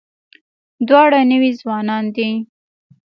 دواړه نوي ځوانان دي.